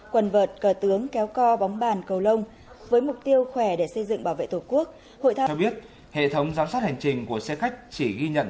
quần vợt cờ tướng kéo co bóng bàn cầu lông với mục tiêu khỏe để xây dựng bảo vệ tổ quốc